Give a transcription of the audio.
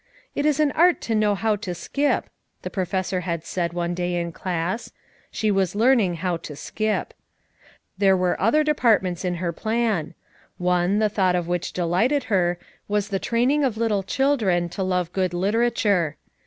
"It is an art to know how to skip," the Pro fessor had said one day in class; she was learning how to skip. There were other de partments in her plan. One, the thought of which delighted her, was the training of little children to love good literature.